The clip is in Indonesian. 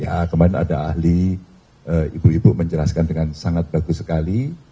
ya kemarin ada ahli ibu ibu menjelaskan dengan sangat bagus sekali